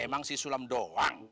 emang si sulam doang